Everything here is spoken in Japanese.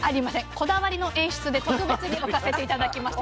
こだわりの演出で特別に置かせて頂きました。